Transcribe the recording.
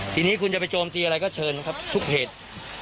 ทีนี้คุณจะไปโจมตีอะไรก็เชิญครับทุกเพจ